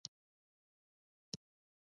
مصنوعي ځیرکتیا د پوهې انتقال اسانه کوي.